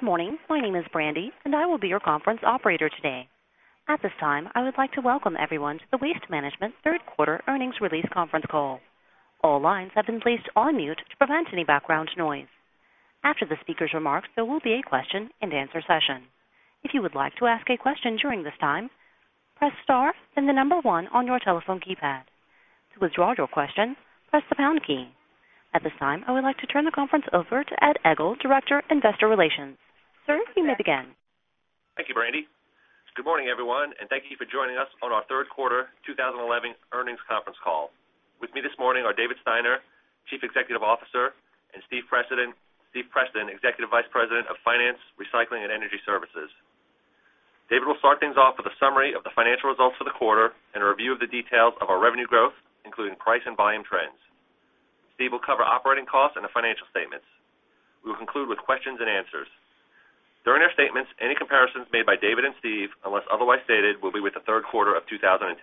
Good morning. My name is Brandi, and I will be your conference operator today. At this time, I would like to welcome everyone to the Waste Management Third Quarter Earnings Release Conference Call. All lines have been placed on mute to prevent any background noise. After the speaker's remarks, there will be a question and answer session. If you would like to ask a question during this time, press star and the number one on your telephone keypad. To withdraw your question, press the pound key. At this time, I would like to turn the conference over to Ed Egl, Director, Investor Relations. Sir, you may begin. Thank you, Brandi. Good morning, everyone, and thank you for joining us on our third quarter 2011 earnings conference call. With me this morning are David Steiner, Chief Executive Officer, and Steve Preston, Executive Vice President of Finance, Recycling, and Energy Services. David will start things off with a summary of the financial results for the quarter and a review of the details of our revenue growth, including price and volume trends. Steve will cover operating costs and the financial statements. We will conclude with questions and answers. During our statements, any comparisons made by David and Steve, unless otherwise stated, will be with the third quarter of 2010.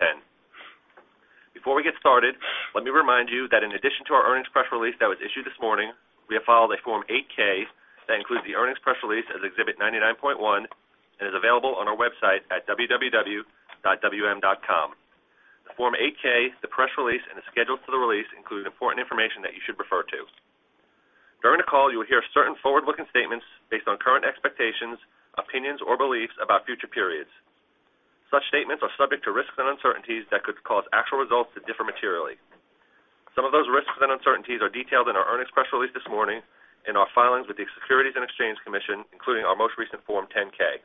Before we get started, let me remind you that in addition to our earnings press release that was issued this morning, we have filed a Form 8-K that includes the earnings press release as Exhibit 99.1 and is available on our website at www.wm.com. The Form 8-K, the press release, and the schedule to the release include important information that you should refer to. During the call, you will hear certain forward-looking statements based on current expectations, opinions, or beliefs about future periods. Such statements are subject to risks and uncertainties that could cause actual results to differ materially. Some of those risks and uncertainties are detailed in our earnings press release this morning and our filings with the Securities and Exchange Commission, including our most recent Form 10-K.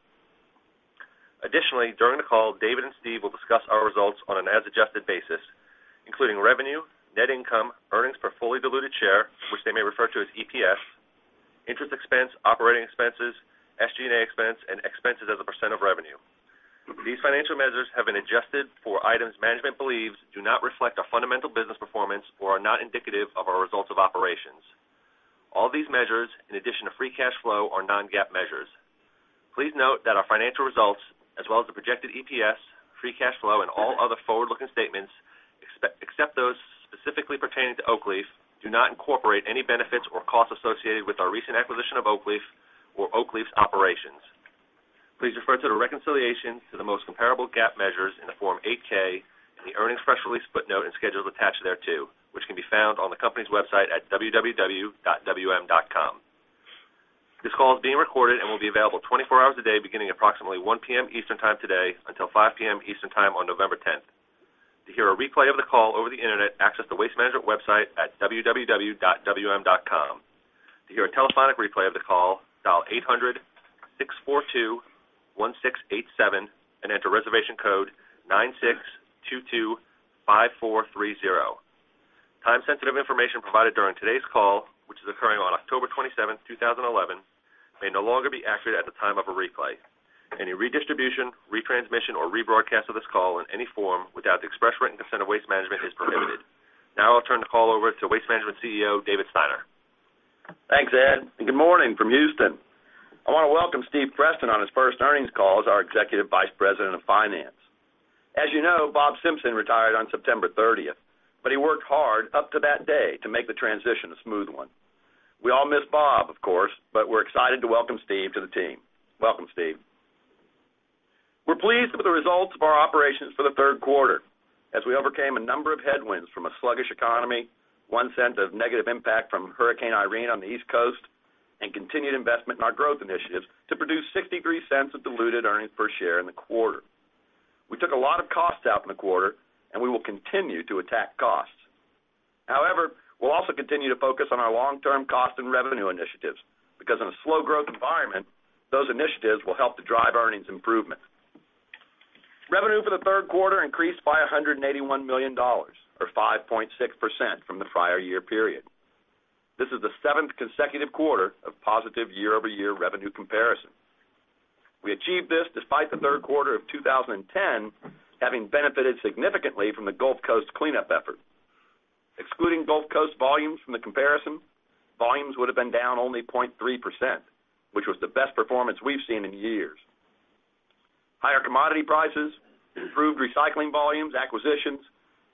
Additionally, during the call, David and Steve will discuss our results on an as-adjusted basis, including revenue, net income, earnings per fully diluted share, which they may refer to as EPS, interest expense, operating expenses, SG&A expense, and expenses as a % of revenue. These financial measures have been adjusted for items management believes do not reflect our fundamental business performance or are not indicative of our results of operations. All these measures, in addition to free cash flow, are non-GAAP measures. Please note that our financial results, as well as the projected EPS, free cash flow, and all other forward-looking statements, except those specifically pertaining to Oakleaf, do not incorporate any benefits or costs associated with our recent acquisition of Oakleaf or Oakleaf's operations. Please refer to the reconciliation to the most comparable GAAP measures in the Form 8-K and the earnings press release footnote and schedule attached thereto, which can be found on the company's website at www.wm.com. This call is being recorded and will be available 24 hours a day, beginning at approximately 1:00 P.M. Eastern Time today until 5:00 P.M. Eastern Time on November 10th. To hear a replay of the call over the internet, access the Waste Management website at www.wm.com. To hear a telephonic replay of the call, dial 800-642-1687 and enter reservation code 96225430. Time-sensitive information provided during today's call, which is occurring on October 27th, 2011, may no longer be accurate at the time of a replay. Any redistribution, retransmission, or rebroadcast of this call in any form without the express written consent of Waste Management is prohibited. Now I'll turn the call over to Waste Management CEO, David Steiner. Thanks, Ed, and good morning from Houston. I want to welcome Steve Preston on his first earnings call as our Executive Vice President of Finance. As you know, Bob Simpson retired on September 30, but he worked hard up to that day to make the transition a smooth one. We all miss Bob, of course, but we're excited to welcome Steve to the team. Welcome, Steve. We're pleased with the results of our operations for the third quarter, as we overcame a number of headwinds from a sluggish economy, $0.01 of negative impact from Hurricane Irene on the East Coast, and continued investment in our growth initiatives to produce $0.63 of diluted earnings per share in the quarter. We took a lot of costs out in the quarter, and we will continue to attack costs. However, we'll also continue to focus on our long-term cost and revenue initiatives because, in a slow-growth environment, those initiatives will help to drive earnings improvements. Revenue for the third quarter increased by $181 million, or 5.6% from the prior year period. This is the seventh consecutive quarter of positive year-over-year revenue comparison. We achieved this despite the third quarter of 2010 having benefited significantly from the Gulf Coast cleanup effort. Excluding Gulf Coast volumes from the comparison, volumes would have been down only 0.3%, which was the best performance we've seen in years. Higher commodity prices, improved recycling volumes, acquisitions,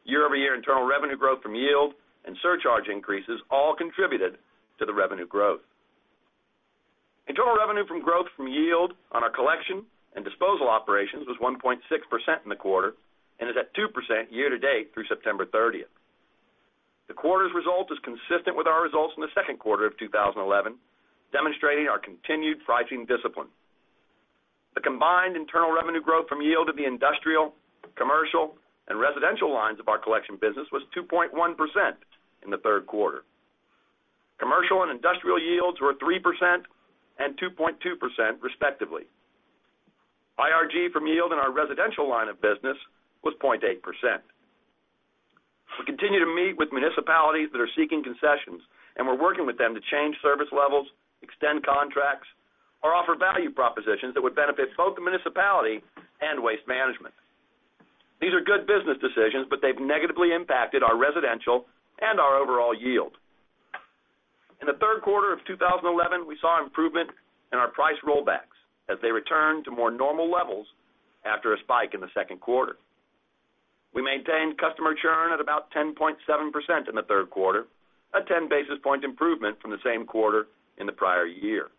year-over-year internal revenue growth from yield, and surcharge increases all contributed to the revenue growth. Internal revenue from growth from yield on our collection and disposal operations was 1.6% in the quarter and is at 2% year to date through September 30th. The quarter's result is consistent with our results in the second quarter of 2011, demonstrating our continued pricing discipline. The combined internal revenue growth from yield of the industrial, commercial, and residential lines of our collection business was 2.1% in the third quarter. Commercial and industrial yields were 3% and 2.2%, respectively. IRG from yield in our residential line of business was 0.8%. We continue to meet with municipalities that are seeking concessions, and we're working with them to change service levels, extend contracts, or offer value propositions that would benefit both the municipality and Waste Management. These are good business decisions, but they've negatively impacted our residential and our overall yield. In the third quarter of 2011, we saw improvement in our price rollbacks as they returned to more normal levels after a spike in the second quarter. We maintained customer churn at about 10.7% in the third quarter, a 10 basis point improvement from the same quarter in the prior year.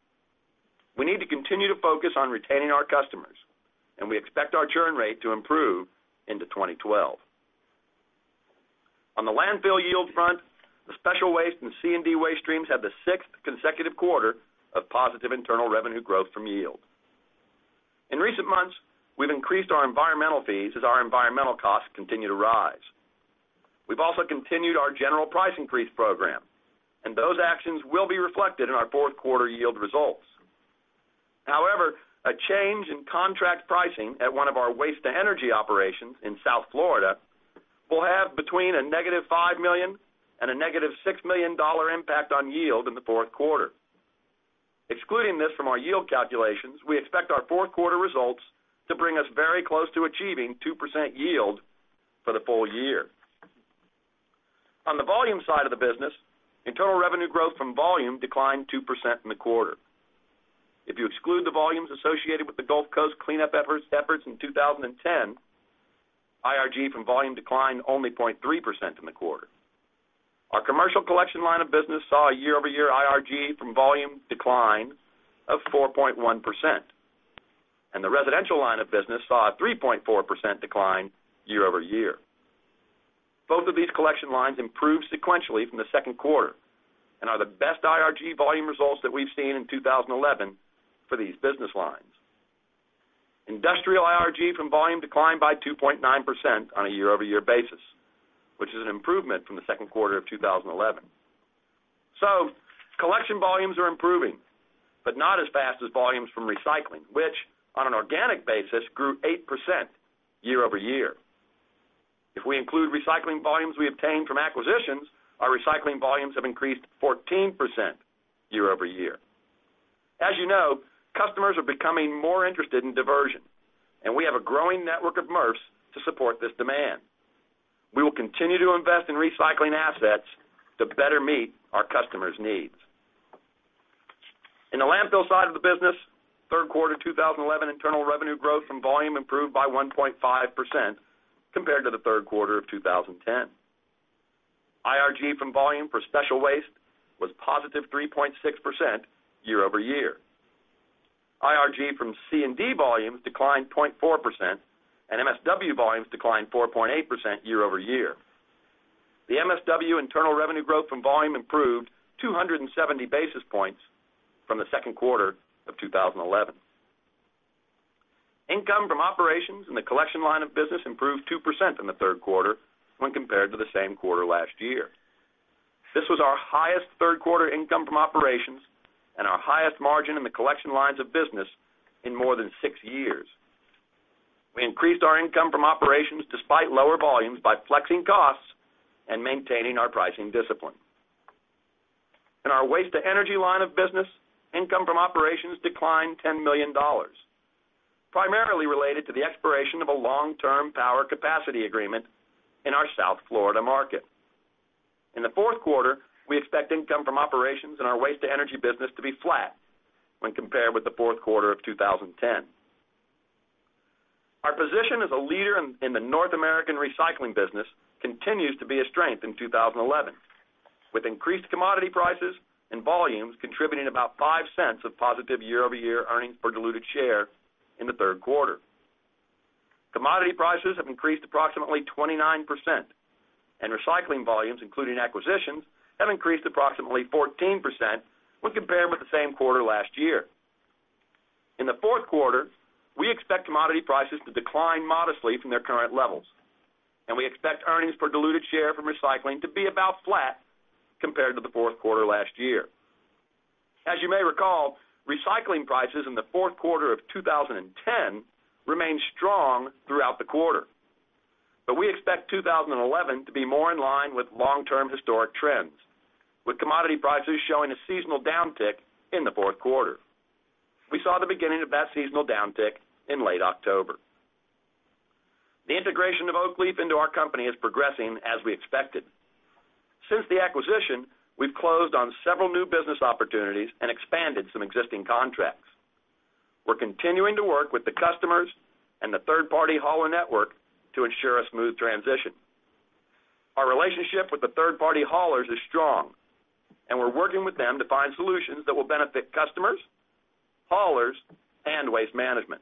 We need to continue to focus on retaining our customers, and we expect our churn rate to improve into 2012. On the landfill yield front, the special waste and C&D waste streams have the sixth consecutive quarter of positive internal revenue growth from yield. In recent months, we've increased our environmental fees as our environmental costs continue to rise. We've also continued our general price increase program, and those actions will be reflected in our fourth quarter yield results. However, a change in contract pricing at one of our waste-to-energy operations in South Florida will have between a $-5 million and a $-6 million impact on yield in the fourth quarter. Excluding this from our yield calculations, we expect our fourth quarter results to bring us very close to achieving 2% yield for the full year. On the volume side of the business, internal revenue growth from volume declined 2% in the quarter. If you exclude the volumes associated with the Gulf Coast cleanup efforts in 2010, IRG from volume declined only 0.3% in the quarter. Our commercial collection line of business saw a year-over-year IRG from volume decline of 4.1%, and the residential line of business saw a 3.4% decline year-over-year. Both of these collection lines improved sequentially from the second quarter and are the best IRG volume results that we've seen in 2011 for these business lines. Industrial IRG from volume declined by 2.9% on a year-over-year basis, which is an improvement from the second quarter of 2011. Collection volumes are improving, but not as fast as volumes from recycling, which, on an organic basis, grew 8% year over year. If we include recycling volumes we obtained from acquisitions, our recycling volumes have increased 14% year-over-year. As you know, customers are becoming more interested in diversion, and we have a growing network of MRFs to support this demand. We will continue to invest in recycling assets to better meet our customers' needs. In the landfill side of the business, third quarter 2011 internal revenue growth from volume improved by 1.5% compared to the third quarter of 2010. IRG from volume for special waste was +3.6% year over year. IRG from C&D volumes declined 0.4%, and MSW volumes declined 4.8% year-over-year. The MSW internal revenue growth from volume improved 270 basis points from the second quarter of 2011. Income from operations in the collection line of business improved 2% in the third quarter when compared to the same quarter last year. This was our highest third quarter income from operations and our highest margin in the collection lines of business in more than six years. We increased our income from operations despite lower volumes by flexing costs and maintaining our pricing discipline. In our waste-to-energy line of business, income from operations declined $10 million, primarily related to the expiration of a long-term power capacity agreement in our South Florida market. In the fourth quarter, we expect income from operations in our waste-to-energy business to be flat when compared with the fourth quarter of 2010. Our position as a leader in the North American recycling business continues to be a strength in 2011, with increased commodity prices and volumes contributing about $0.05 of positive year-over-year earnings per diluted share in the third quarter. Commodity prices have increased approximately 29%, and recycling volumes, including acquisitions, have increased approximately 14% when compared with the same quarter last year. In the fourth quarter, we expect commodity prices to decline modestly from their current levels, and we expect earnings per diluted share from recycling to be about flat compared to the fourth quarter last year. As you may recall, recycling prices in the fourth quarter of 2010 remained strong throughout the quarter, but we expect 2011 to be more in line with long-term historic trends, with commodity prices showing a seasonal downtick in the fourth quarter. We saw the beginning of that seasonal downtick in late October. The integration of Oakleaf into our company is progressing as we expected. Since the acquisition, we've closed on several new business opportunities and expanded some existing contracts. We're continuing to work with the customers and the third-party hauler network to ensure a smooth transition. Our relationship with the third-party haulers is strong, and we're working with them to find solutions that will benefit customers, haulers, and Waste Management.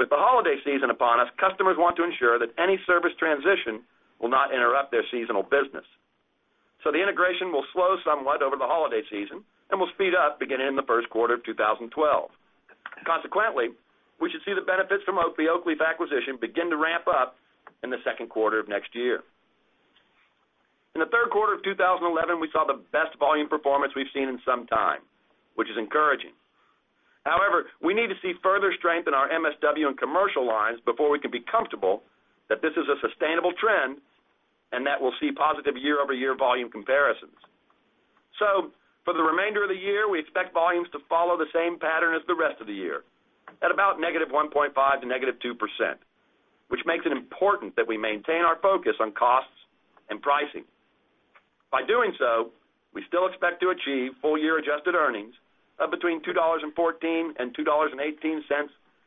With the holiday season upon us, customers want to ensure that any service transition will not interrupt their seasonal business. The integration will slow somewhat over the holiday season and will speed up beginning in the first quarter of 2012. Consequently, we should see the benefits from the Oakleaf acquisition begin to ramp up in the second quarter of next year. In the third quarter of 2011, we saw the best volume performance we've seen in some time, which is encouraging. However, we need to see further strength in our MSW and commercial lines before we can be comfortable that this is a sustainable trend and that we'll see positive year-over-year volume comparisons. For the remainder of the year, we expect volumes to follow the same pattern as the rest of the year at about -1.5% to -2%, which makes it important that we maintain our focus on costs and pricing. By doing so, we still expect to achieve full-year adjusted earnings of between $2.14 and $2.18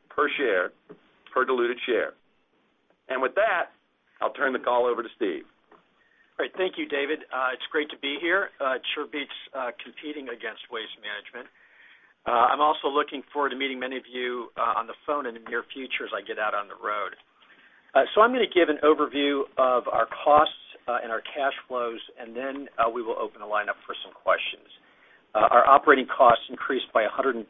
per diluted share. With that, I'll turn the call over to Steve. All right. Thank you, David. It's great to be here. It sure beats competing against Waste Management. I'm also looking forward to meeting many of you on the phone in the near future as I get out on the road. I'm going to give an overview of our costs and our cash flows, and then we will open the line up for some questions. Our operating costs increased by $172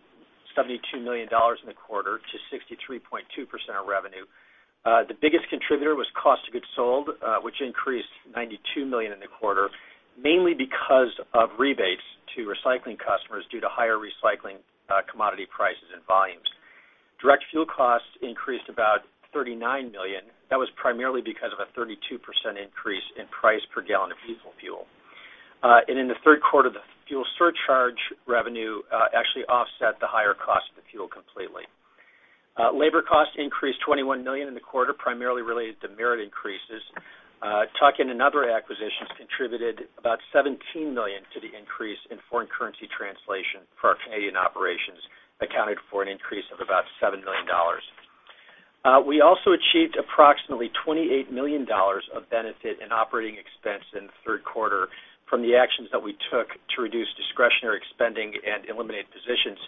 million in the quarter to 63.2% of revenue. The biggest contributor was cost of goods sold, which increased $92 million in the quarter, mainly because of rebates to recycling customers due to higher recycling commodity prices and volumes. Direct fuel costs increased about $39 million. That was primarily because of a 32% increase in price per gallon of diesel fuel. In the third quarter, the fuel surcharge revenue actually offset the higher cost of the fuel completely. Labor costs increased $21 million in the quarter, primarily related to merit increases. Tuck and another acquisition contributed about $17 million to the increase, and foreign currency translation for our Canadian operations accounted for an increase of about $7 million. We also achieved approximately $28 million of benefit in operating expense in the third quarter from the actions that we took to reduce discretionary spending and eliminate positions,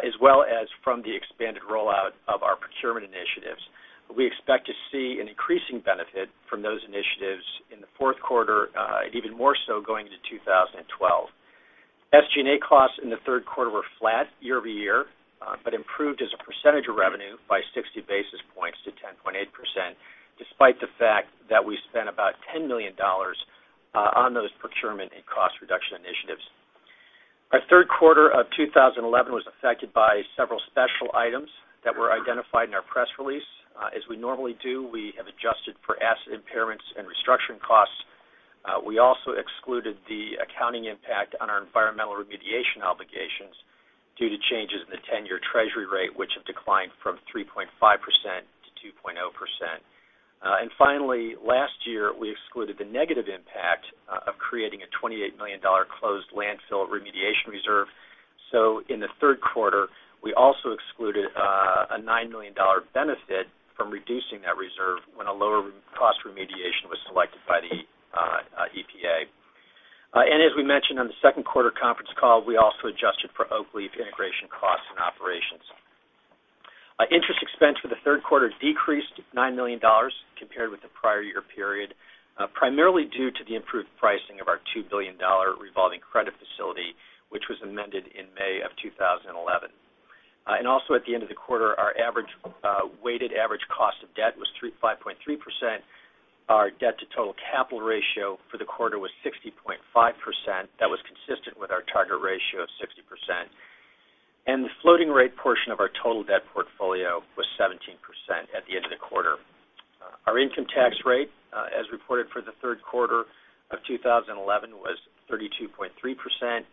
as well as from the expanded rollout of our procurement initiatives. We expect to see an increasing benefit from those initiatives in the fourth quarter and even more so going into 2012. SG&A costs in the third quarter were flat year over year but improved as a percentage of revenue by 60 basis points to 10.8%, despite the fact that we spent about $10 million on those procurement and cost reduction initiatives. Our third quarter of 2011 was affected by several special items that were identified in our press release. As we normally do, we have adjusted for asset impairments and restructuring costs. We also excluded the accounting impact on our environmental remediation obligations due to changes in the 10-year treasury rate, which have declined from 3.5% to 2.0%. Last year, we excluded the negative impact of creating a $28 million closed landfill remediation reserve. In the third quarter, we also excluded a $9 million benefit from reducing that reserve when a lower cost remediation was selected by the EPA. As we mentioned on the second quarter conference call, we also adjusted for Oakleaf integration costs and operations. Interest expense for the third quarter decreased $9 million compared with the prior year period, primarily due to the improved pricing of our $2 billion revolving credit facility, which was amended in May of 2011. At the end of the quarter, our weighted average cost of debt was 5.3%. Our debt-to-total capital ratio for the quarter was 60.5%. That was consistent with our target ratio of 60%. The floating rate portion of our total debt portfolio was 17% at the end of the quarter. Our income tax rate, as reported for the third quarter of 2011, was 32.3%.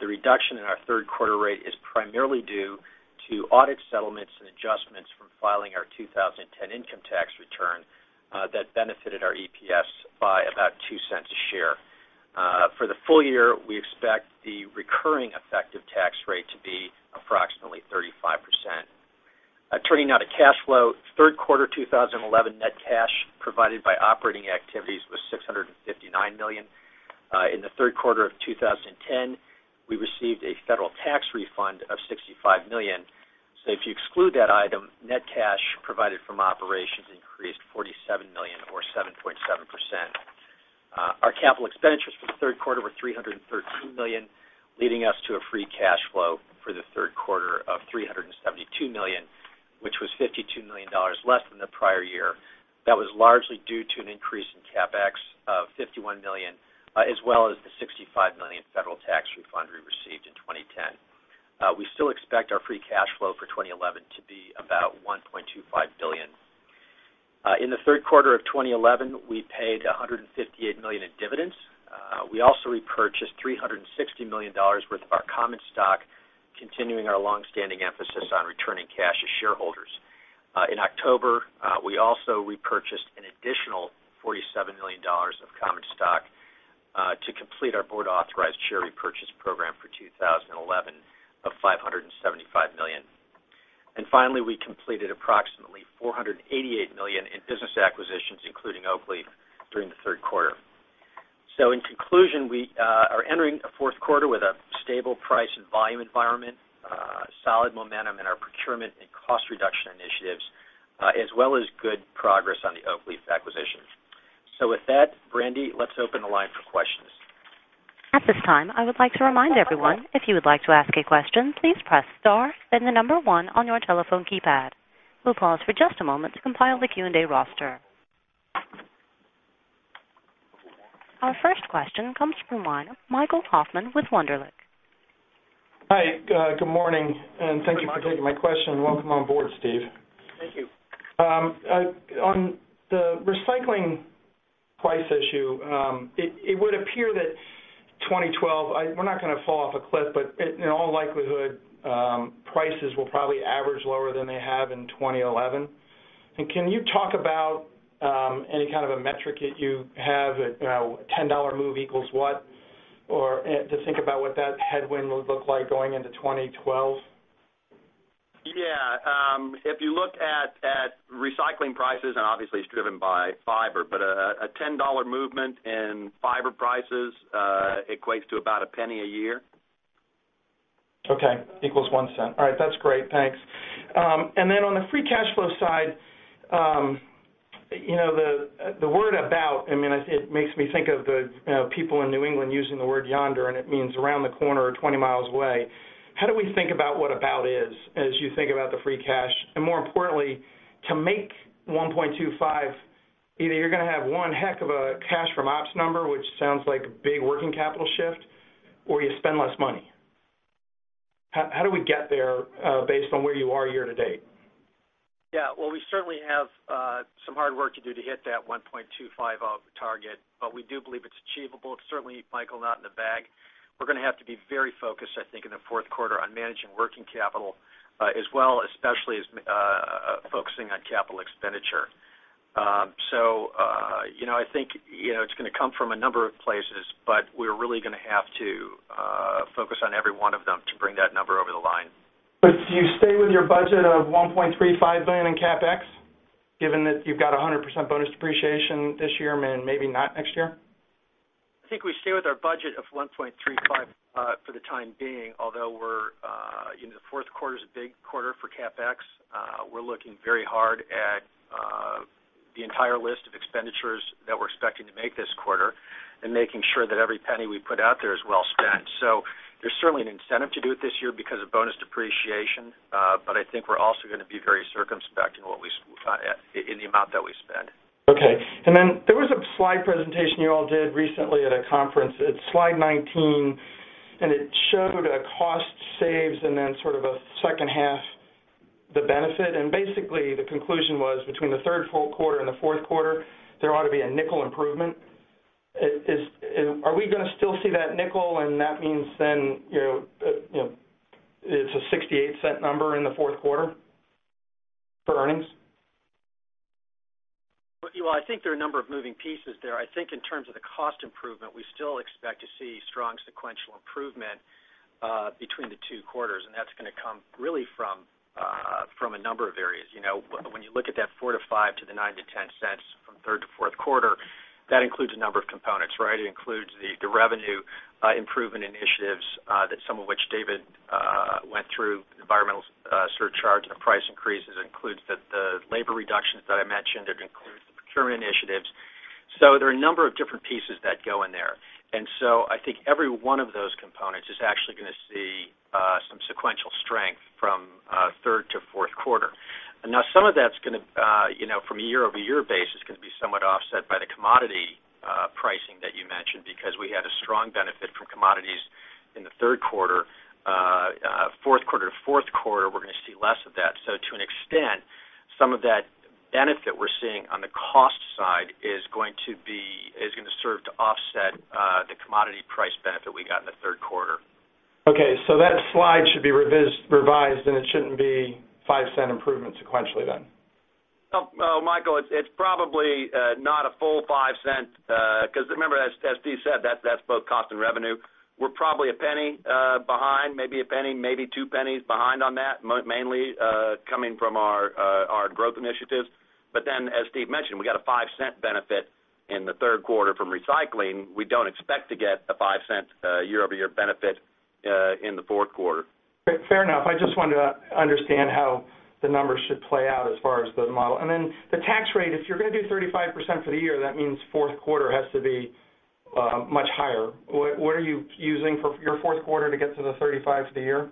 The reduction in our third quarter rate is primarily due to audit settlements and adjustments from filing our 2010 income tax return that benefited our EPS by about $0.02 a share. For the full year, we expect the recurring effective tax rate to be approximately 35%. Turning now to cash flow, third quarter 2011 net cash provided by operating activities was $659 million. In the third quarter of 2010, we received a federal tax refund of $65 million. If you exclude that item, net cash provided from operations increased $47 million, or 7.7%. Our capital expenditures for the third quarter were $313 million, leading us to a free cash flow for the third quarter of $372 million, which was $52 million less than the prior year. That was largely due to an increase in CapEx of $51 million, as well as the $65 million federal tax refund we received in 2010. We still expect our free cash flow for 2011 to be about $1.25 billion. In the third quarter of 2011, we paid $158 million in dividends. We also repurchased $360 million worth of our common stock, continuing our long-standing emphasis on returning cash to shareholders. In October, we also repurchased an additional $47 million of common stock to complete our board-authorized share repurchase program for 2011 of $575 million. Finally, we completed approximately $488 million in business acquisitions, including Oakleaf, during the third quarter. In conclusion, we are entering a fourth quarter with a stable price and volume environment, solid momentum in our procurement and cost reduction initiatives, as well as good progress on the Oakleaf acquisitions. With that, Brandi, let's open the line for questions. At this time, I would like to remind everyone, if you would like to ask a question, please press star and the number one on your telephone keypad. We'll pause for just a moment to compile the Q&A roster. Our first question comes from one Michael Hoffman with Wunderlich. Hi. Good morning. Thank you for taking my question. Welcome on board, Steve. Thank you. On the recycling price issue, it would appear that 2012, we're not going to fall off a cliff, but in all likelihood, prices will probably average lower than they have in 2011. Can you talk about any kind of a metric that you have that a $10 move equals what? To think about what that headwind will look like going into 2012? Yeah. If you look at recycling prices, and obviously, it's driven by fiber, but a $10 movement in fiber prices equates to about $0.01 a year. OK. Equals $0.01. All right. That's great. Thanks. On the free cash flow side, you know the word "about," it makes me think of the people in New England using the word "yonder," and it means around the corner or 20 mi away. How do we think about what "about" is as you think about the free cash? More importantly, to make $1.25, either you're going to have one heck of a cash from ops number, which sounds like a big working capital shift, or you spend less money. How do we get there based on where you are year to date? Yeah. We certainly have some hard work to do to hit that $1.25 target, but we do believe it's achievable. It's certainly, Michael, not in a bag. We're going to have to be very focused, I think, in the fourth quarter on managing working capital as well, especially focusing on capital expenditure. I think it's going to come from a number of places, but we're really going to have to focus on every one of them to bring that number over the line. Do you stay with your budget of $1.35 billion in CapEx, given that you've got a 100% bonus depreciation this year and maybe not next year? I think we stay with our budget of $1.35 for the time being, although the fourth quarter is a big quarter for CapEx. We're looking very hard at the entire list of expenditures that we're expecting to make this quarter and making sure that every $0.01 we put out there is well spent. There is certainly an incentive to do it this year because of bonus depreciation, but I think we're also going to be very circumspect in the amount that we spend. OK. There was a slide presentation you all did recently at a conference. It's slide 19, and it showed cost saves and then sort of a second half, the benefit. Basically, the conclusion was between the third quarter and the fourth quarter, there ought to be a $0.05 improvement. Are we going to still see that $0.05? That means it's a $0.68 number in the fourth quarter for earnings? I think there are a number of moving pieces there. I think in terms of the cost improvement, we still expect to see strong sequential improvement between the two quarters. That's going to come really from a number of areas. You know, when you look at that $0.04-$0.05 to the $0.09-$0.10 from third to fourth quarter, that includes a number of components, right? It includes the revenue improvement initiatives, some of which David went through, environmental surcharge of price increases. It includes the labor reductions that I mentioned. It includes the procurement initiatives. There are a number of different pieces that go in there. I think every one of those components is actually going to see some sequential strength from third to fourth quarter. Now, some of that's going to, from a year-over-year basis, be somewhat offset by the commodity pricing that you mentioned because we had a strong benefit from commodities in the third quarter. Fourth quarter-to-fourth quarter, we're going to see less of that. To an extent, some of that benefit we're seeing on the cost side is going to serve to offset the commodity price benefit we got in the third quarter. OK, that slide should be revised, and it shouldn't be a $0.05 improvement sequentially then. Oh, Michael, it's probably not a full $0.05 because remember, as Steve said, that's both cost and revenue. We're probably a $0.01 behind, maybe a $0.01, maybe $0.02 behind on that, mainly coming from our growth initiatives. As Steve mentioned, we got a $0.05 benefit in the third quarter from recycling. We don't expect to get a $0.05 year-over-year benefit in the fourth quarter. Fair enough. I just wanted to understand how the numbers should play out as far as the model. Then the tax rate, if you're going to do 35% for the year, that means fourth quarter has to be much higher. What are you using for your fourth quarter to get to the 35% for the year?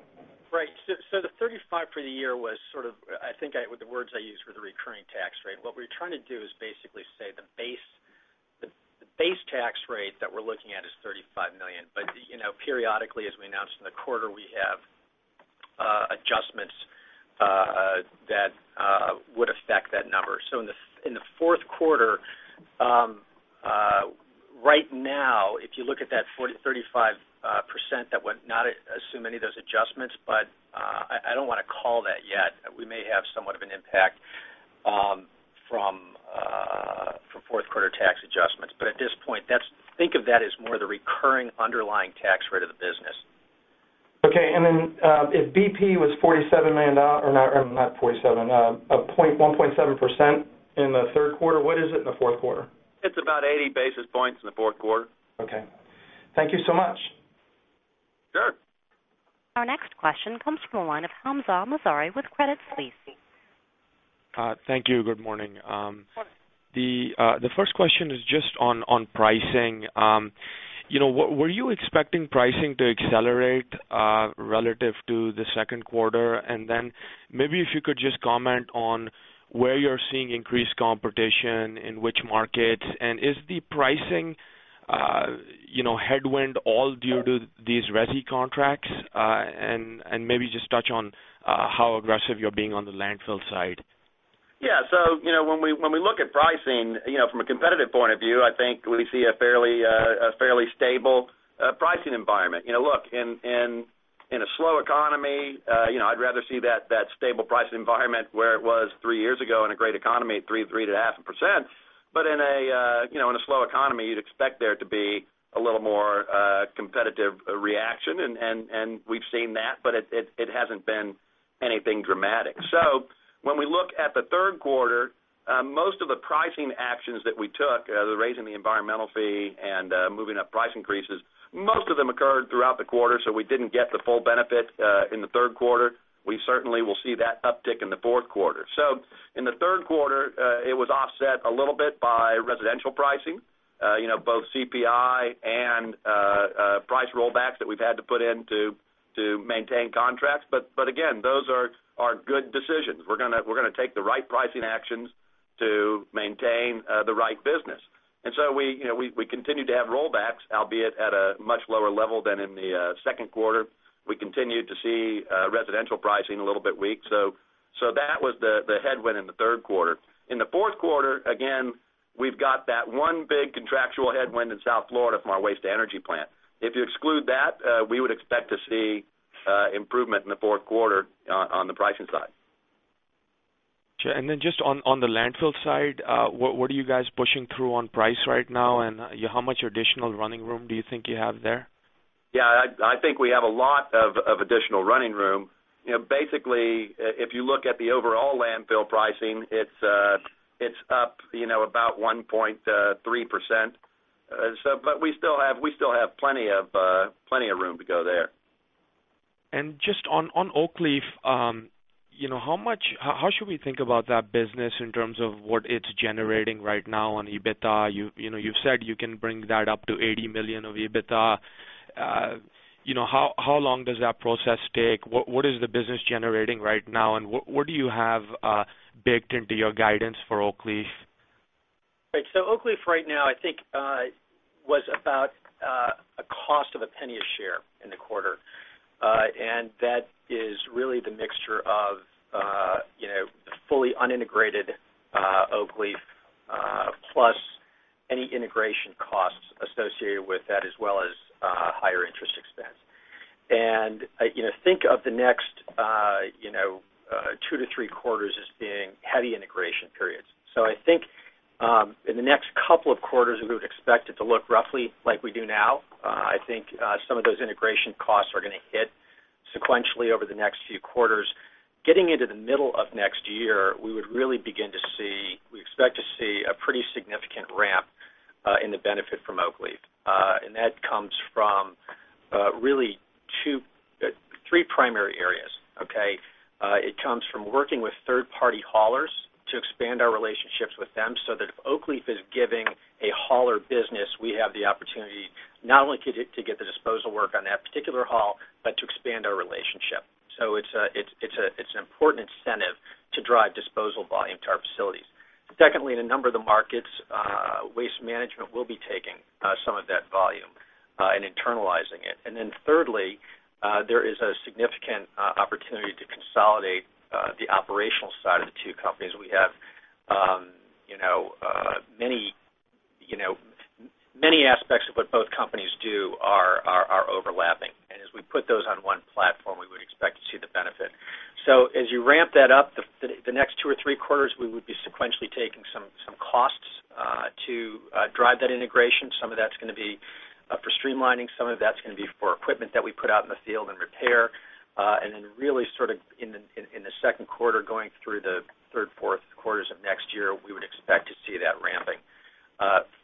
Right. The 35% for the year was sort of, I think the words I used were the recurring tax rate. What we're trying to do is basically say the base tax rate that we're looking at is $35 million. Periodically, as we announce in the quarter, we have adjustments that would affect that number. In the fourth quarter, right now, if you look at that 35%, that would not assume any of those adjustments. I don't want to call that yet. We may have somewhat of an impact from fourth quarter tax adjustments. At this point, think of that as more of the recurring underlying tax rate of the business. OK. If BP was $47 million, or not $47 million, a 1.7% in the third quarter, what is it in the fourth quarter? It's about 80 basis points in the fourth quarter. OK, thank you so much. Sure. Our next question comes from a line of Hamzah Mazari with Credit Suisse. Thank you. Good morning. The first question is just on pricing. Were you expecting pricing to accelerate relative to the second quarter? Maybe if you could just comment on where you're seeing increased competition, in which markets. Is the pricing headwind all due to these RESI contracts? Maybe just touch on how aggressive you're being on the landfill side. Yeah. When we look at pricing from a competitive point of view, I think we see a fairly stable pricing environment. In a slow economy, I'd rather see that stable pricing environment where it was three years ago in a great economy, 3%/3.5%. In a slow economy, you'd expect there to be a little more competitive reaction. We've seen that, but it hasn't been anything dramatic. When we look at the third quarter, most of the pricing actions that we took, the raising the environmental fee and moving up price increases, most of them occurred throughout the quarter, so we didn't get the full benefit in the third quarter. We certainly will see that uptick in the fourth quarter. In the third quarter, it was offset a little bit by residential pricing, both CPI and price rollbacks that we've had to put in to maintain contracts. Those are good decisions. We're going to take the right pricing actions to maintain the right business. We continue to have rollbacks, albeit at a much lower level than in the second quarter. We continue to see residential pricing a little bit weak. That was the headwind in the third quarter. In the fourth quarter, we've got that one big contractual headwind in South Florida from our waste-to-energy plant. If you exclude that, we would expect to see improvement in the fourth quarter on the pricing side. On the landfill side, what are you guys pushing through on price right now, and how much additional running room do you think you have there? Yeah, I think we have a lot of additional running room. Basically, if you look at the overall landfill pricing, it's up about 1.3%. We still have plenty of room to go there. Regarding Oakleaf, how should we think about that business in terms of what it's generating right now on EBITDA? You've said you can bring that up to $80 million of EBITDA. How long does that process take? What is the business generating right now, and what do you have baked into your guidance for Oakleaf? Right. Oakleaf right now, I think, was about a cost of $0.01 a share in the quarter. That is really the mixture of fully unintegrated Oakleaf plus any integration costs associated with that, as well as higher interest expense. Think of the next two to three quarters as being heavy integration periods. In the next couple of quarters, we would expect it to look roughly like we do now. Some of those integration costs are going to hit sequentially over the next few quarters. Getting into the middle of next year, we would really begin to see, we expect to see, a pretty significant ramp in the benefit from Oakleaf. That comes from really three primary areas. It comes from working with third-party haulers to expand our relationships with them so that if Oakleaf is giving a hauler business, we have the opportunity not only to get the disposal work on that particular haul, but to expand our relationship. It is an important incentive to drive disposal volume to our facilities. Secondly, in a number of the markets, Waste Management will be taking some of that volume and internalizing it. Thirdly, there is a significant opportunity to consolidate the operational side of the two companies. Many aspects of what both companies do are overlapping. As we put those on one platform, we would expect to see the benefit. As you ramp that up the next two or three quarters, we would be sequentially taking some costs to drive that integration. Some of that is going to be for streamlining. Some of that is going to be for equipment that we put out in the field and repair. In the second quarter, going through the third and fourth quarters of next year, we would expect to see that ramping.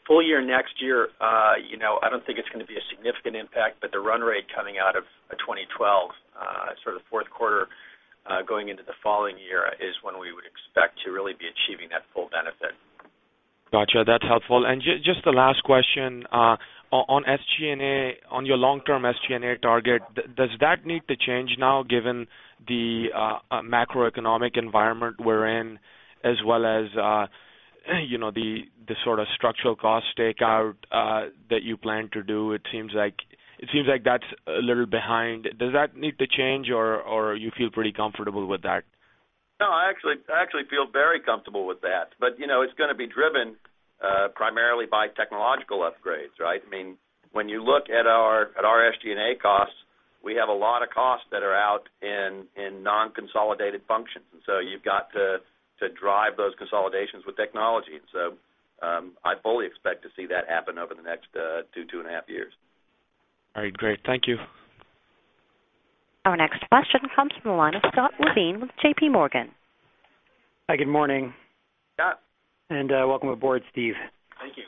Full year next year, I do not think it is going to be a significant impact, but the run rate coming out of 2012, the fourth quarter going into the following year, is when we would expect to really be achieving that full benefit. Gotcha. That's helpful. Just the last question. On your long-term SG&A target, does that need to change now given the macroeconomic environment we're in, as well as the sort of structural cost takeout that you plan to do? It seems like that's a little behind. Does that need to change, or do you feel pretty comfortable with that? No. I actually feel very comfortable with that. It is going to be driven primarily by technological upgrades, right? I mean, when you look at our SG&A costs, we have a lot of costs that are out in non-consolidated functions. You have to drive those consolidations with technology. I fully expect to see that happen over the next 2 years-2.5 years. All right. Great. Thank you. Our next question comes from a line of Scott Levine with JPMorgan. Hi, good morning. Scott. Welcome aboard, Steve. Thank you.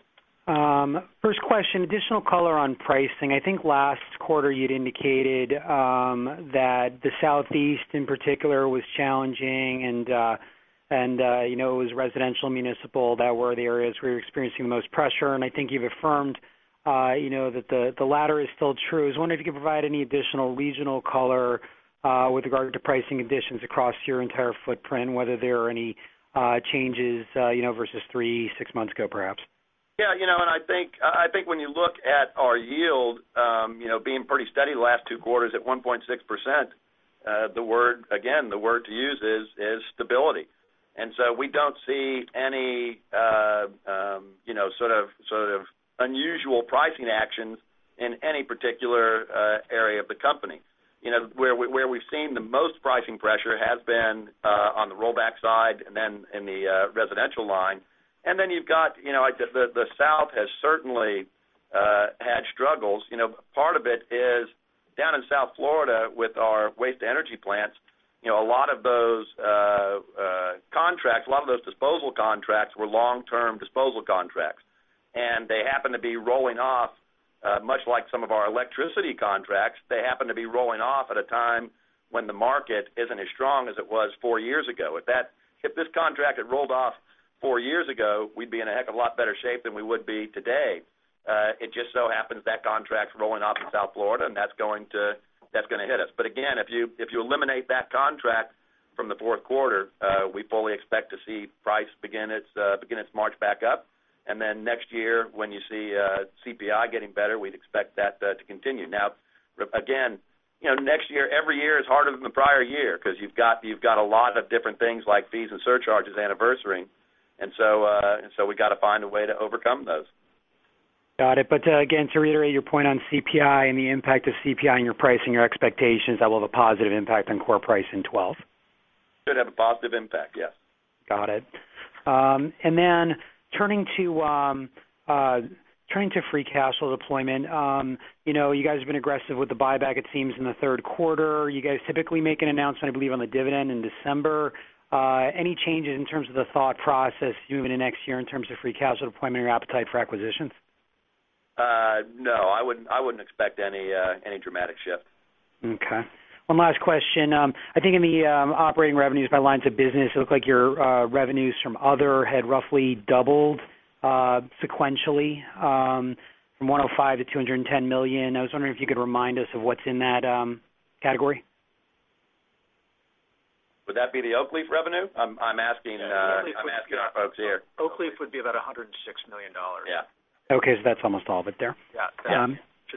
First question, additional color on pricing. I think last quarter you'd indicated that the Southeast in particular was challenging, and it was residential and municipal that were the areas where you're experiencing the most pressure. I think you've affirmed that the latter is still true. I was wondering if you could provide any additional regional color with regard to pricing conditions across your entire footprint, whether there are any changes versus three or six months ago perhaps. Yeah. I think when you look at our yield being pretty steady the last two quarters at 1.6%, the word, again, the word to use is stability. We don't see any sort of unusual pricing actions in any particular area of the company. Where we've seen the most pricing pressure has been on the rollback side and then in the residential line. You've got, you know, the South has certainly had struggles. Part of it is down in South Florida with our waste-to-energy plants, a lot of those contracts, a lot of those disposal contracts were long-term disposal contracts. They happen to be rolling off, much like some of our electricity contracts, they happen to be rolling off at a time when the market isn't as strong as it was four years ago. If this contract had rolled off four years ago, we'd be in a heck of a lot better shape than we would be today. It just so happens that contract's rolling off in South Florida, and that's going to hit us. If you eliminate that contract from the fourth quarter, we fully expect to see price begin its march back up. Next year, when you see CPI getting better, we'd expect that to continue. Now, next year, every year is harder than the prior year because you've got a lot of different things like fees and surcharges anniversaring. We've got to find a way to overcome those. Got it. To reiterate your point on CPI and the impact of CPI on your pricing, your expectations are that will have a positive impact on core price in 2012. Should have a positive impact, yes. Got it. Turning to free cash flow deployment, you guys have been aggressive with the buyback, it seems, in the third quarter. You guys typically make an announcement, I believe, on the dividend in December. Any changes in terms of the thought process moving to next year in terms of free cash flow deployment or your appetite for acquisitions? No, I wouldn't expect any dramatic shift. OK. One last question. I think in the operating revenues by lines of business, it looked like your revenues from other had roughly doubled sequentially from $105 million to $210 million. I was wondering if you could remind us of what's in that category. Would that be the Oakleaf revenue? I'm asking our folks here. Oakleaf would be about $106 million. Yeah. OK, that's almost all of it there. Yeah.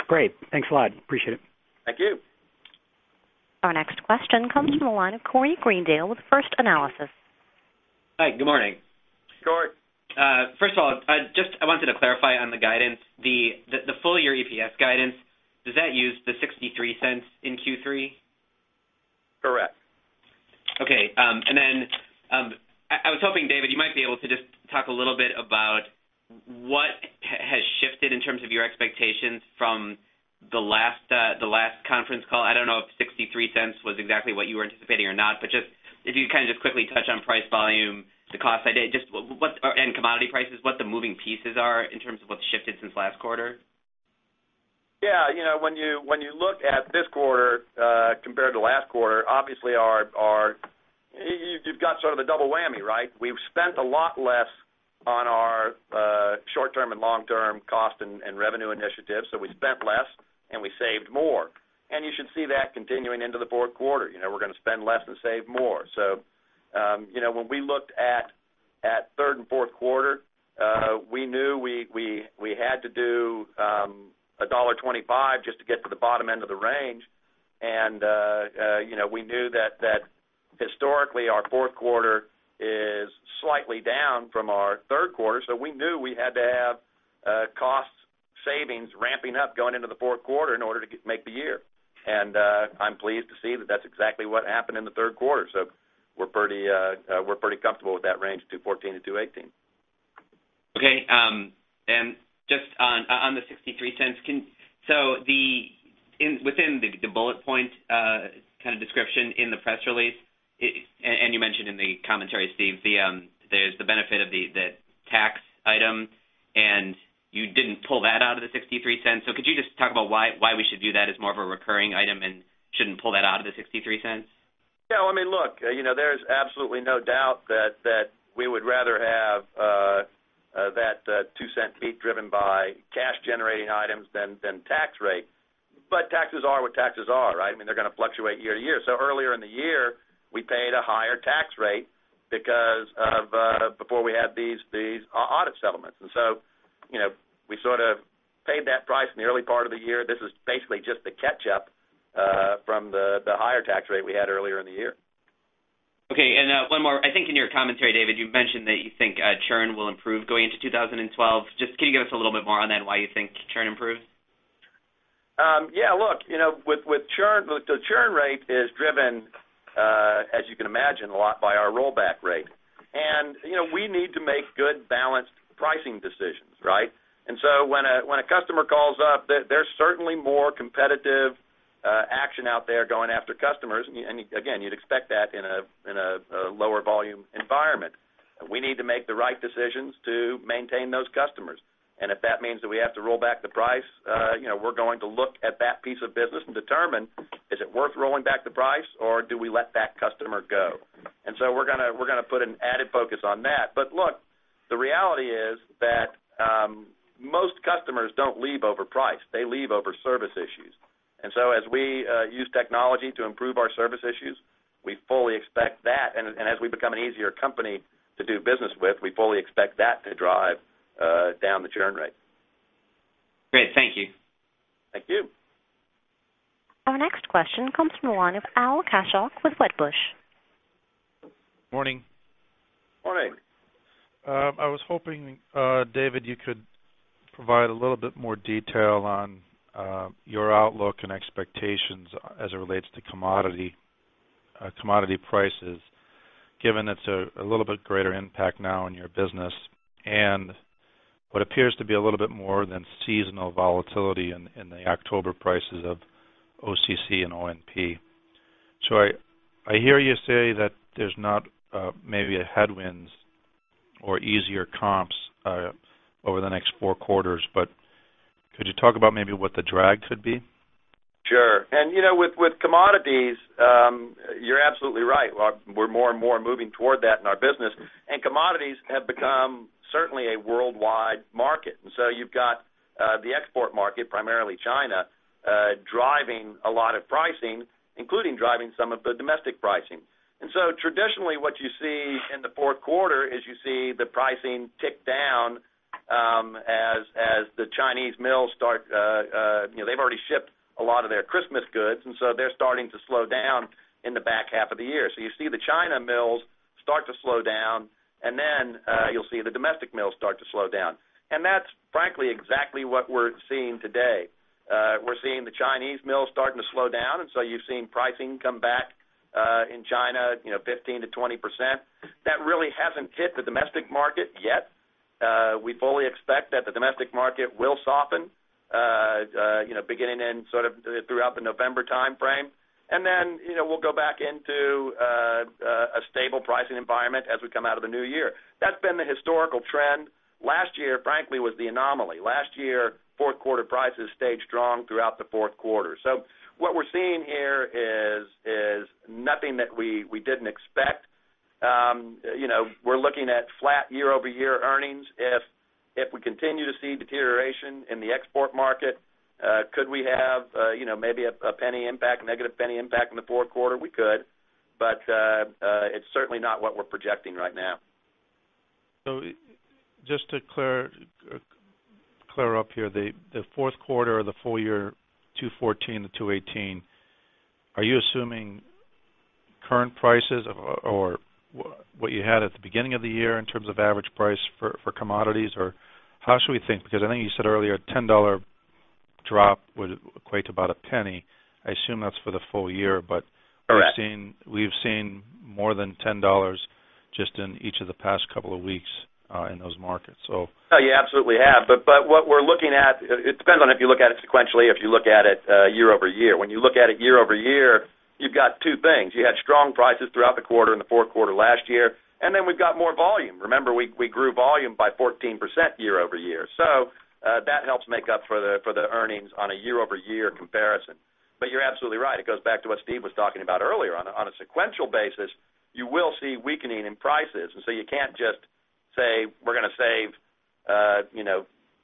Great, thanks a lot. Appreciate it. Thank you. Our next question comes from a line of Corey Greendale with First Analysis. Hi, good morning. Corey. First of all, I just wanted to clarify on the guidance, the full-year EPS guidance, does that use the $0.63 in Q3? Correct. OK. I was hoping, David, you might be able to just talk a little bit about what has shifted in terms of your expectations from the last conference call. I don't know if $0.63 was exactly what you were anticipating or not, but just if you could kind of just quickly touch on price volume, the costs I did, and commodity prices, what the moving pieces are in terms of what's shifted since last quarter. Yeah. When you look at this quarter compared to last quarter, obviously, you've got sort of the double whammy, right? We've spent a lot less on our short-term and long-term cost and revenue initiatives. We spent less, and we saved more. You should see that continuing into the fourth quarter. We're going to spend less and save more. When we looked at third and fourth quarter, we knew we had to do $1.25 just to get to the bottom end of the range. We knew that historically, our fourth quarter is slightly down from our third quarter. We knew we had to have cost savings ramping up going into the fourth quarter in order to make the year. I'm pleased to see that that's exactly what happened in the third quarter. We're pretty comfortable with that range, $2.14-$2.18. OK. On the $0.63, within the bullet point kind of description in the press release, and you mentioned in the commentary, Steve, there's the benefit of the tax item, and you didn't pull that out of the $0.63. Could you just talk about why we should view that as more of a recurring item and shouldn't pull that out of the $0.63? Yeah. I mean, look, there's absolutely no doubt that we would rather have that $0.02 peak driven by cash-generating items than tax rate. Taxes are what taxes are, right? I mean, they're going to fluctuate year to year. Earlier in the year, we paid a higher tax rate before we had these audit settlements, and we sort of paid that price in the early part of the year. This is basically just the catch-up from the higher tax rate we had earlier in the year. OK. One more. I think in your commentary, David, you mentioned that you think churn will improve going into 2012. Can you give us a little bit more on that, and why you think churn improves? Yeah. Look, the churn rate is driven, as you can imagine, a lot by our rollback rate. We need to make good, balanced pricing decisions, right? When a customer calls up, there's certainly more competitive action out there going after customers. You'd expect that in a lower volume environment. We need to make the right decisions to maintain those customers. If that means that we have to roll back the price, we're going to look at that piece of business and determine, is it worth rolling back the price, or do we let that customer go? We're going to put an added focus on that. The reality is that most customers don't leave over price. They leave over service issues. As we use technology to improve our service issues, we fully expect that. As we become an easier company to do business with, we fully expect that to drive down the churn rate. Great. Thank you. Thank you. Our next question comes from a line of Al Kaschalk with Wedbush. Morning. Morning. I was hoping, David, you could provide a little bit more detail on your outlook and expectations as it relates to commodity prices, given it's a little bit greater impact now in your business and what appears to be a little bit more than seasonal volatility in the October prices of OCC and ONP. I hear you say that there's not maybe headwinds or easier comps over the next four quarters, but could you talk about maybe what the drag could be? Sure. With commodities, you're absolutely right. We're more and more moving toward that in our business. Commodities have become certainly a worldwide market, and you've got the export market, primarily China, driving a lot of pricing, including driving some of the domestic pricing. Traditionally, what you see in the fourth quarter is the pricing tick down as the Chinese mills start, they've already shipped a lot of their Christmas goods, and they're starting to slow down in the back half of the year. You see the China mills start to slow down, and then you'll see the domestic mills start to slow down. That's, frankly, exactly what we're seeing today. We're seeing the Chinese mills starting to slow down, and you've seen pricing come back in China, 15%-20%. That really hasn't hit the domestic market yet. We fully expect that the domestic market will soften beginning in sort of throughout the November time frame, and then we'll go back into a stable pricing environment as we come out of the new year. That's been the historical trend. Last year, frankly, was the anomaly. Last year, fourth quarter prices stayed strong throughout the fourth quarter. What we're seeing here is nothing that we didn't expect. We're looking at flat year-over-year earnings. If we continue to see deterioration in the export market, could we have maybe a $0.01 impact, $-0.01 impact in the fourth quarter? We could. It's certainly not what we're projecting right now. Just to clear up here, for the fourth quarter or the full year, $2.14 to $2.18, are you assuming current prices or what you had at the beginning of the year in terms of average price for commodities? How should we think? I think you said earlier a $10 drop would equate to about a $0.01. I assume that's for the full year. We've seen more than $10 just in each of the past couple of weeks in those markets. Oh, you absolutely have. What we're looking at depends on if you look at it sequentially or if you look at it year-over-year. When you look at it year-over-year, you've got two things. You had strong prices throughout the quarter in the fourth quarter last year, and then we've got more volume. Remember, we grew volume by 14% year-over-year. That helps make up for the earnings on a year-over-year comparison. You're absolutely right. It goes back to what Steve was talking about earlier. On a sequential basis, you will see weakening in prices. You can't just say we're going to save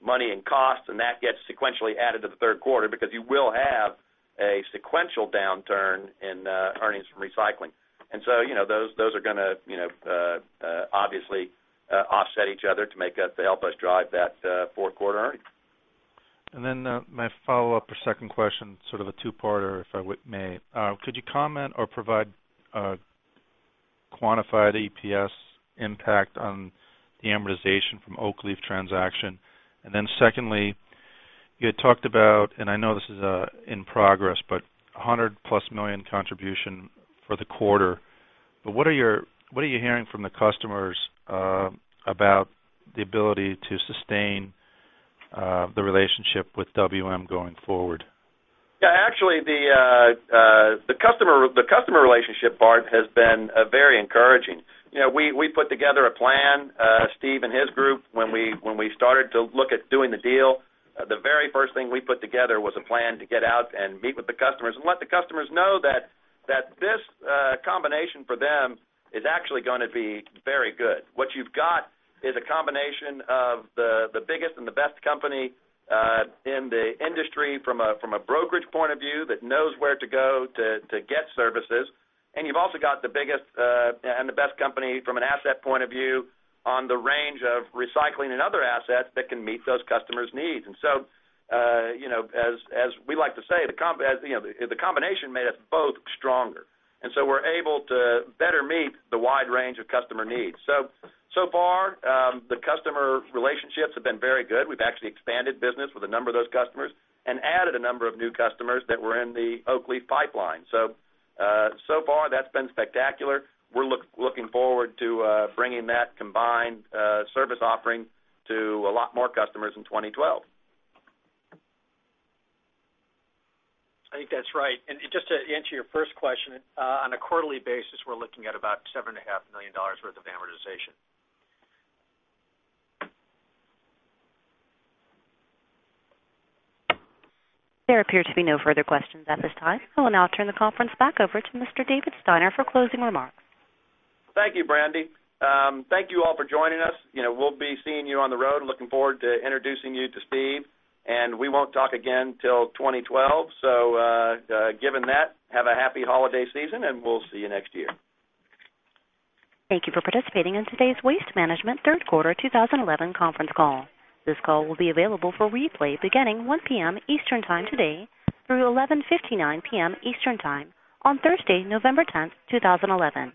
money and costs, and that gets sequentially added to the third quarter because you will have a sequential downturn in earnings from recycling. Those are going to obviously offset each other to help us drive that fourth quarter earnings. My follow-up or second question, sort of a two-parter, if I may. Could you comment or provide quantified EPS impact on the amortization from the Oakleaf transaction? Secondly, you had talked about, and I know this is in progress, a $100 million+ contribution for the quarter. What are you hearing from the customers about the ability to sustain the relationship with WM going forward? Yeah. Actually, the customer relationship part has been very encouraging. We put together a plan, Steve and his group, when we started to look at doing the deal. The very first thing we put together was a plan to get out and meet with the customers and let the customers know that this combination for them is actually going to be very good. What you've got is a combination of the biggest and the best company in the industry from a brokerage point of view that knows where to go to get services. You've also got the biggest and the best company from an asset point of view on the range of recycling and other assets that can meet those customers' needs. As we like to say, the combination made us both stronger. We're able to better meet the wide range of customer needs. So far, the customer relationships have been very good. We've actually expanded business with a number of those customers and added a number of new customers that were in the Oakleaf pipeline. That's been spectacular. We're looking forward to bringing that combined service offering to a lot more customers in 2012. I think that's right. Just to answer your first question, on a quarterly basis, we're looking at about $7.5 million worth of amortization. There appears to be no further questions at this time. I will now turn the conference back over to Mr. David Steiner for closing remarks. Thank you, Brandi. Thank you all for joining us. We'll be seeing you on the road and looking forward to introducing you to Steve. We won't talk again till 2012. Given that, have a happy holiday season, and we'll see you next year. Thank you for participating in today's Waste Management Third Quarter 2011 Conference Call. This call will be available for replay beginning 1:00 P.M. Eastern Time today through 11:59 P.M. Eastern Time on Thursday, November 10th, 2011.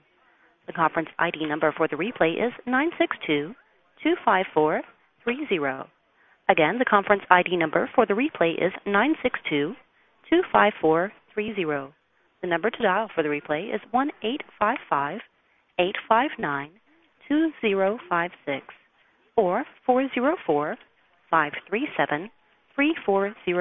The conference ID number for the replay is 96225430. Again, the conference ID number for the replay is 96225430. The number to dial for the replay is 1 (855) 859-2056, or (404)537-3404.